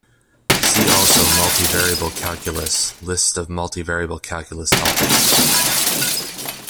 "See also multivariable calculus, list of multivariable calculus topics"